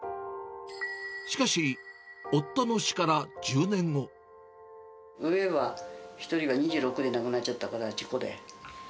しかし、上は、１人は２６で亡くなっちゃったから、事故で。